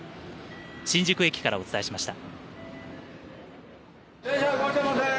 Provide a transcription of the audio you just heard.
新宿駅からお伝えしました。